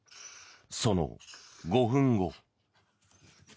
その５分後。